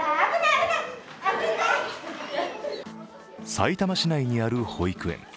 さいたま市内にある保育園。